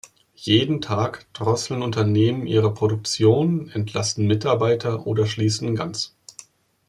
Jeden Tag drosseln Unternehmen ihre Produktion, entlassen Arbeitnehmer oder schließen ganz.